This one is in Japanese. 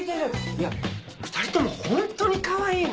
いや２人ともホントにかわいいね。